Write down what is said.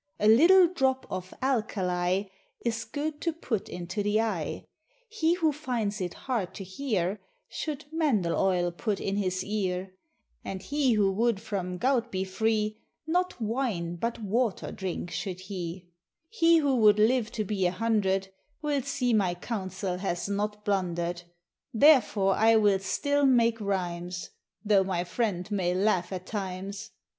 A little drop of alkali, Is good to put into the eye; He who finds it hard to hear, Should mandel oil put in his ear; And he who would from gout be free, Not wine but water drink should he; He who would live to be a hundred, Will see my counsel has not blundered. Therefore I will still make rhymes Though my friend may laugh at times.